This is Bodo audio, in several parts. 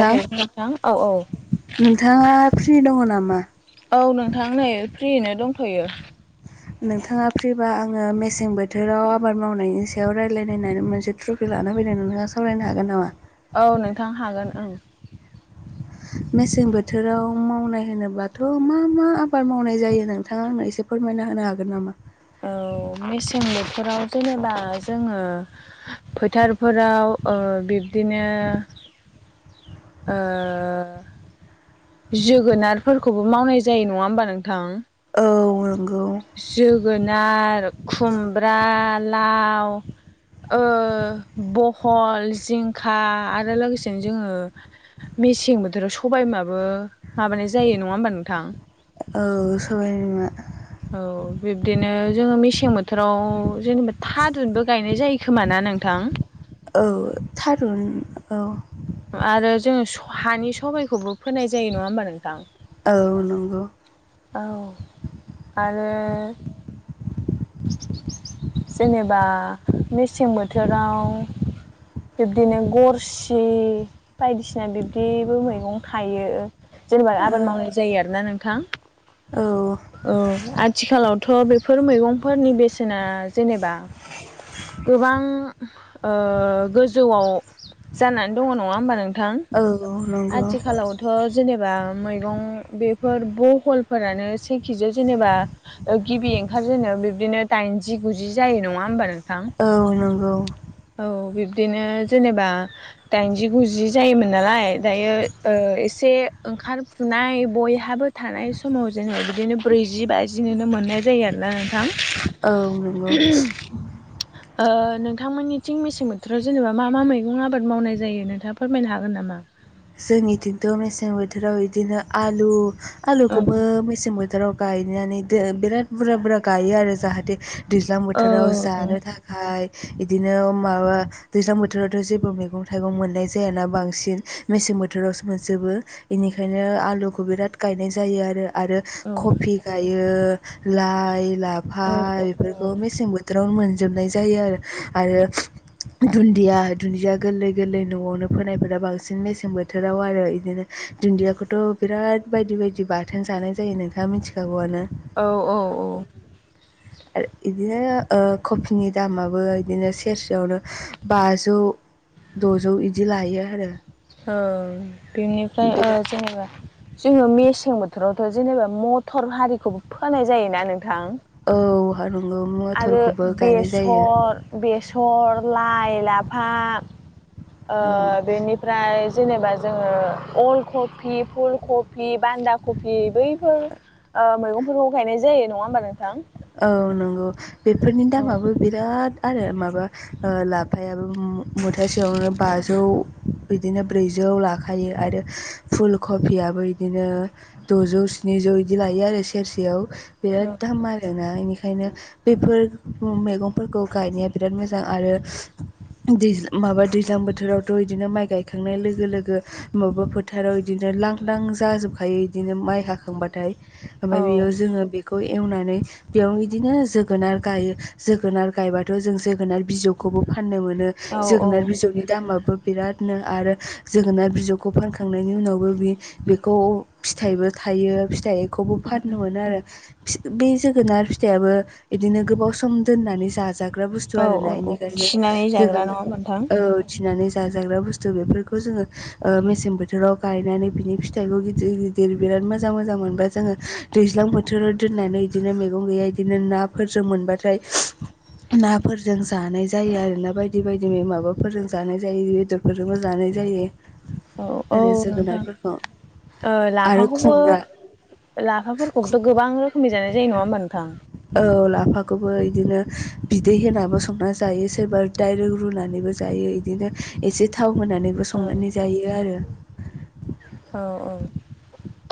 औ हेल' नोंथां औ औ नोंथाङा फ्रि दङ नामा? औ नोंथां नै फ्रिनो दंथ'यो! नोंथाङा फ्रिबा आङो मेसें बोथोराव आबाद मावनायनि सायाव रायलायनानै मोनसे ट्रपिक लाना फैनाय ।नोंथाङा सावरायनो हागोन नामा? औ नोंथां हागोन ओं मेसें बोथोराव मावनाय होनोब्लाथ' मा मा आबाद मावनाय जायो नोंथाङा आंनो एसे फोरमायना होनो हागोन नामा? औ मेसें बोथोराव जेनेबा जोङो फोथारफोराव बिब्दिनो [inaudible] [unintelligible] जोगोनारफोरखौबो मावनाय जायो नङा होमबा नोंथां औ नंगौ जोगोनार, खुमब्रा,, लाउ ओ बहल, जिंखा आरो लोगोसेनो जोङो- मेसें बोथोराव सबायमाबो माबानाय जायो नङा होमबा नोंथां औ सबाइनिमा- औ बिब्दिनो जोङो मेसें बोथोराव जेनेबा थारुनबो गायनाय जायो खोमा ना नोंथां? औ थारुन औ आरो जोङो हानि सबायाइखौबो फोनाय जायो नङा होमबा नोंथां? औ नंगौ! औ आरो [inaudible] जेनेबा मेसें बोथोराव- बिब्दिनो गरसि बायदिसिना बिब्दिबो मैगं थायो जेनेबा औ आबाद मावनाय जायो आरोना नोंथां औ औ आथिखालावथ' बेफोर मैगंफोरनि बेसेना जेनेबा- गोबां गोजौआव जानानै दङ नङा होमबा नोंथां? औ नोंथां नंगौ आथिखालावथ' जेनेबा मैं बेफोर बहलफोरानो सेखिजि आव जेनेबा गिबि ओंखारजेनो बिब्दिनो दाइनजि गुजि जायो नङा होनबानो थां औ नंगौ औ बिदिनो जेनेबा दाइनजि गुजि जायोमोन नालाय दायो एसे ओंखारफुनाय बयहाबो थानाय समाव जोङो बिदिनो ब्रैजि बाजिनो मोननाय जायो आरोना नोंथां औ नंगौ। नोंथांमोननि थिं मेसें बोथोराव जेनेबा मा मा मैगं आबाद मावनाय जायो नोंथाङा फोरमायनो हागोन। नामा जोंनिथिंथ' मेसें बोथोराव बिदिनो आलु, औ आलुखौबो मेसें बोथोराव गायनानै बिराद बुरजा बुरजा गायो आरो जाहाथे दैज्लां औ बोथोराव जानो थाखाय बिदिनो माबा दैज्लां बोथोरावथ' जेबो मैगं थाइगं मोननाय जायाना बांसिन मेसें बोथोरावसो मोनजोबो बेनिखायनो आलुखौ बिराद गायनाय जायो आरो आरो औ कफि गायो, लाइ लाफा औ औ बेफोरखौ मेसें बोथोरावनो मोनो। जोबनाय जायो आरो आरो दुनजिया -दुन्जिया गोरलै गोरलै न'आवनो फोनायफोरा बांसिन- बांसिन मेसें बोथोराव आरो बिदिनो दुन्दियाखौथ' बिराद बायदि- बायदि बाथोन जानाय जायो नोंथां। मिथिखागौवानो औ औ औ। [inaudible] आरो बिदिनो कफिनि दामाबो बिदिनो सेरसेयावनो बाजौ द'जौ बिदि लायो आरो बेनिफ्राय ओ बिराद जेनेबा जोङो मिस मसें बोथोरावथ' जेनेबा मथर हारिखौबो फोनाय जायोना नोंथां? औ आरो आरो बेसर बेसर लाइ लाफा औ बेनिफ्राय जेनेबा जोङो अल कफि फुल कफि बान्दा कफि बैफोर मैगंफोरखौ गायनाय जायो नङा होमबा नोंथां औ नंगौ बेफोरनि औ दामाबो बिराद बिराद आरो माबा लाफायाबो मुथासेयावनो बाजौ बिदिनो ब्रैजौ लाखायो आरो फुल कफियाबो बिदिनो द'जौ स्निजौ बिदि लायो लायो आरो सेरसेयाव बिराद औ दाम आरो मोना बेनिखायनो बेफोर मैगंफोरखौ गायनाया बिराद मोजां आरो दैज माबा दैज्लां बोथोरावथ' बिदिनो माइ गायखांनाय लोगो लोगो मेबा फोथाराव बिदिनो लांदां जाजोबखायो बिदिनो माइ हाखांबाथाय ओमफ्राय बेयाव औ जोङो बेखौ एवनानै । बेयाव बिदिनो -जोगोनार गायो जोगोनार गायबाथ' जों जोगोनार बिजौखौबो फानो। फाननो मोनो औ जोगोनार बिजौनि दामाबो बिरादनो आरो जोगोनार बिजौखौ फानखांनायनि उनावबो बि बेखौ फिथाइबो- थायो फिथाइखौबो फाननो मोनो आरो बे जों- जोगोनार फिथाइ आबो बिदिनो गोबाव सम दोननानै जायो । जाग्रा बस्थु औ औ आरोना औ बेनिखायनो थिनानै जाग्रा नङा जोगोनात होमबा नोंथां औ उथिनानै जाग्रा बुस्थु बेफोरखौ जोङो मेसें बोथोराव गायनानै बिनि फिथाइखौ गिदिर गिदिर मोजां मोजां मोनबाय जोङो दैज्लां बोथोराव दोननानै बिदिनो मैगं गैया बिदिनो नाफोरजों मोनबाथाय नाफोरजों जानाय जायो आरोना बायदि बायदि माबाफोरजों जानाय जायो बेदरफोरजोंबो जानाय जायो औ औ आरो नोंथां जोगोनारफोरखौ आरो लाफाखौबो खुमब्रा लाफाफोरखौबोथ' गोबां रोखोमनि जानाय जे नङा नोंथां औ लाफाखौबो बिदिनो बिदै होनाबो संनानै जायो सोरबा दडाइरेक रुनानैबो जायो इदिनो एसे थाव होनानैबो ओं संनानै जायो आरो औ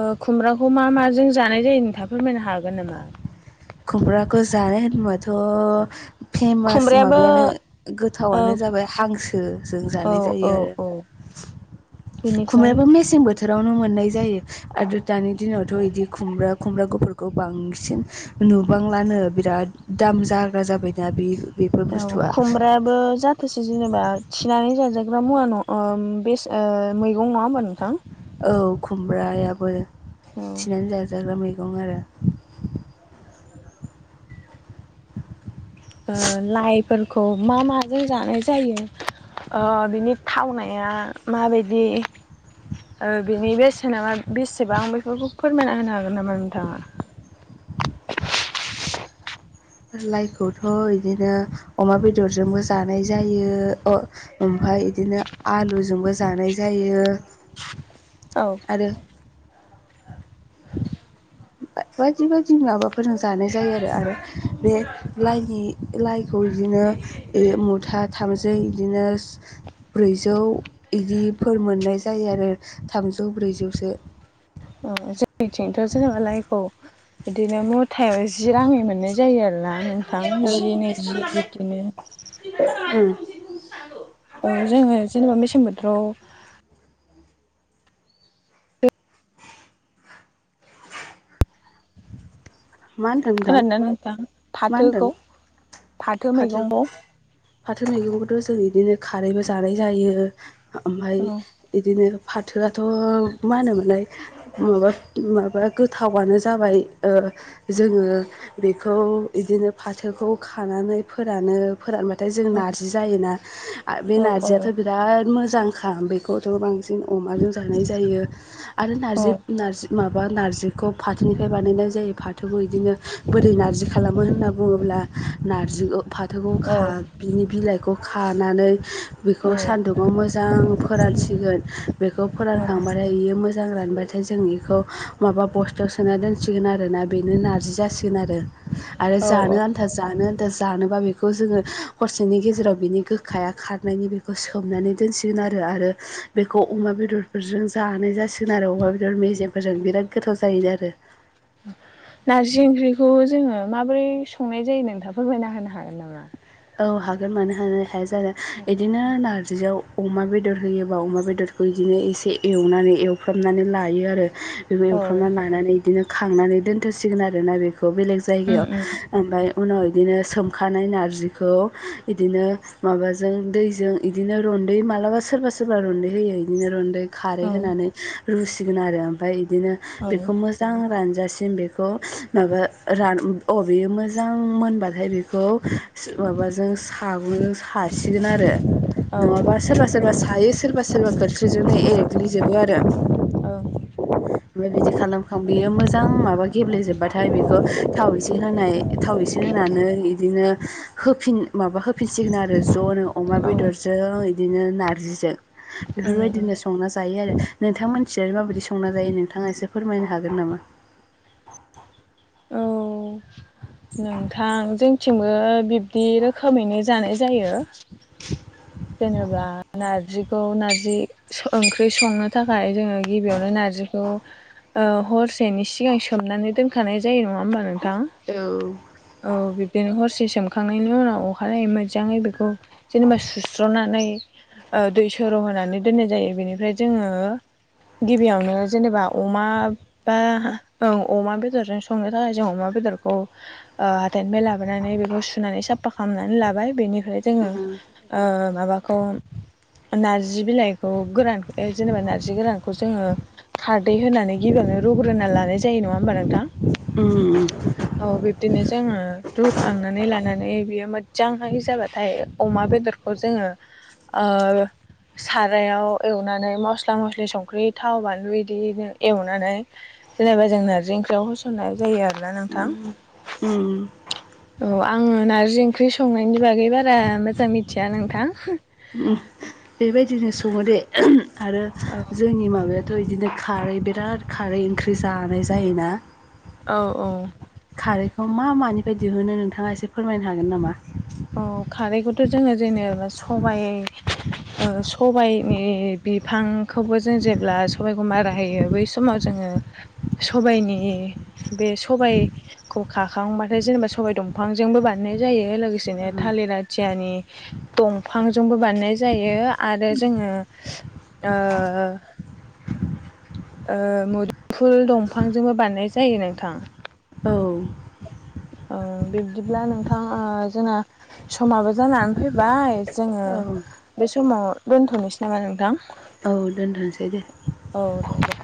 औ खुमब्राखौ मा माजों जानाय जायो नोंथाङा फोरमायनो हागोन नामा? खुमब्राखौ जानाय होनबाथ' फेमास खुमब्रायाबो माबायानो ओ गोथावानो जाबाय हांसो जों औ जानाय जायो औ आरो औ बेनिफ्राय खुमब्रायाबो मेसें बोथोर बोथोरावनो मोननाय जायो आरो दानि दिनावथ' बिदि खुमब्रा खुमब्रा गुफुरफोरखौ बांसिन नुबांलानो बिराद दाम जाग्रा जाबाय दा बे बेफोर औ बुस्थुआ खुमब्रायाबो जाथोसे जेनेबा थिनानै जाजायो जाग्रा मुवा न' मैगं नङा होम्बा नोंथां औ खुमब्रायाबो औ थिनानै जाजाग्रा मैगं आरो [inaudible] लाइफोरखौ मा माजों जानाय जायो बिनि थावनाया माबायदि? बेनि बेसेना मा बेसेबां बेफोरखौ फोरमायना होनो हागोन नामा नोंथाङा? [unintelligible] लाइखौथ' बिदिनो अमा बेदरजोंबो जानाय जायो ओम ओमफाय बिदिनो आलुजोंबो जानाय जायो। औ आरो [unintelligible] बायदि बायदि माबाफोरजों जानाय जायो आरो आरो बे लाइनि लाइखौ बिदिनो मुथा थामसै बिदिनो ब्रैजौ बिदिफोर मोननाय जायो आरो थामजौ ब्रैजौसो जोंनिथिंथ' जोङो लाइखौ बिदिनो मुथायाव जि राङै मोननाय जायो आरोना नोंथां मा होनदों जि नै जि बिब्दिनो औ जोङो जेनेबा मेसें बोथोराव मा होनदों नोंथां खोनादोंना नोंथां मा होनदों फाथोखौ फाथो फाथो मैगंखौथ' जों बिदिनो खारैबो जानाय जायो ओमफ्राय औ बिदिनो फाथोआथ' मा होनोमोनलाय माबा माबा गोथावानो जाबाय जोङो बेखौ बिदिनो फाथोखौ खानानै फोरानो फोरानबाथाय जों औ नारजि जायोना बे औ नारजियाथ' औ बिराद मोजां मोजांखा बेखौथ [unintelligible] जों अमाजों जानाय जायो आरो औ नार्जि खौ फाथोनिफ्राय बानायनाय जायो फाथो फाथोखौ बिदिनो बोरै नारजि खालामो होनना बुङोब्ला नारजिखौ फाथोखौ- नि बिलाइखौ खानानै बेखौ औ सान्दुंङाव मोजां फोरानसिगोन बेखौ औ फोरानखांबाथाय बेयो मोजां- मोजां रानबाथाय जों बेखौ माबा बस्थायाव सोना दोनसिगोन आरो ना बेनो नारजि जासिगोन आरो आरो औ जानो औ आन्था जानो आन्था जानोबा बेखौ जोङो हरसेनि गेजेराव बिनि गोखाया खारनायनि बेखौ सोमनानै दोनसिगोन आरो आरो बेखौ अमा बेदरफोरजों जानाय जासिगोन आरो अमा बेदर मेजेमफोरजों बिराद गोथाव जायो आरो। [unintelligible] नारजि ओंख्रिखौ जोङो माबोरै संनाय जायो नोंथाङा फोरमायना होनो हागोन नामा? औ हागोन मानो हानो हाया जानो बिदिनो नार नारजियाव अमा बेदर होयोबा अमा बेदरखौ बिदिनो एसे एवनानै एवफ्रामनानै लायो आरो। बेबो औ एवफ्रामना लानानै बिदिनो खांनानै दोनथसिगोन आरोना बेखौ बेलेग उम जायगायाव ओमफ्राय उनाव बिदिनो सोमखानाय नारजि- खौ इदिनो माबाजों दैजों इदिनो रन्दै मालाबा सोरबा सोरबा रन्दै होयो बिदिनो रनदै खारै उम होनानै रूसिगोन आरो ओमफाइ इदिनो औ बेखौ मोजां रान थजासिम बेखौ माबा अबेयो मोजां मोनबाथाय बेखौ माबाजों सागंजों सासिगोन आरो। औ नङाबा सोरबा सोरबा सायो सोरबा सोरबा खोख्रिजोंनो एग्लिजोबो आरो। औ। ओमफ्राय बिदि खालामखांना बियो मोजां माबा गेब्लेेजोब्बाथाय बेखौ थाव इसे होनाय थाव- होनानै बिदिनो हो माबा होफिनसिगोन आरो जनो अमा औ बेदरजों बिदिनो नारजिजों उम उम बेफोरबायदिनो संना जायो आरो नोंथां मोना माबायदि संना जायो। जायो नोंथाङा एसे फोरमायनो हागोन नामा? औ नोंथां जोंथिंबो बिब्दि रोखोमैनो जानाय जायो। जेनेबा नारजिखौ नारजि ओंख्रि संनो थाखाय जोङो गिबियावनो नारजि नारजिखौ हरसेनि सिगां सोमनानै दोनखानाय जायो नङा हबा नोंथां औ औ बिबदिनो हरसे सुखांनायनि उनाव अखानायै मोजाङै बेखौ जेनेबा सु सुस्र'नानै दै सर होनानै दोननाय जायो बेनिफ्राय जोङो गिबियावनो जेनेबा अमा बेदरजों संनो थाखाय जों अमा बेदर- बेदरखौ हाथाइनिफ्राय लाबोनानै बेखौ सुनानै साफा खालामनानै लाबाय बेनि ओमफ्राय जोङो माबाखौ नार्जि बिलाइखौ गोरान जेनेबा नारजि गोरानखौ जोङो खारदै होनानै गिबो रुग्रोना लानाय जायो नङा होमबा नोंथां। उम औ बिब्दिनो जोङो रुखांनानै लानानै माने बेयो मोजांहाय जाबाथाय अमा बेदरखौ जोङो ओ सारायाव एवनानै मस्ला मस्लि संख्रि थाव बानलु इदिनो एवनानै जेनेबा जों नारजि ओंख्रियाव होसननाय जायो आरोना नोंथां उम औ। आङो नार्जि ओंख्रि संनायनि बागै बारा मोजां मिथिया नोंथां। बेबायदिनो सङो दे आरो औ जोंनि माबाया बिदिनो खारै बिराद खारै ओंख्रि जानाय जायोना। औ औ। खौ मा मानिफ्राय दिहुनो नोंथाङा एसे फोरमायनो हागोन नामा? औ खारैखौथ' जोङो जेनेबा सबाइ सबाइनि बिफांखौबो जों जेब्ला सबायाइखौ मारा होयो बै समाव जोङो [inaudible] सबाइनि बे सबाइखौ खाखांबाथाय जेनेबा सबाइ दंफांजोंबो बानाय नाय जायो। लोगोसे बिदिनो ओ थालिर आथियानि दंफांजोंबो बानायनाय जायो आरो जोङो ओ [inaudible] ओ मुदुफुल दंफांजोंबो बानायनाय जायो नोंथां। औ ओ बिब्दिब्ला नोंथां जोंना समाबो जानानै फैबाय। जोङो औ बे समाव दोनथ'नोसै नामा नोंथां? औ दोनथ'सै दे। औ दे दे